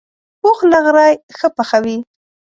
پوخ نغری ښه پخوي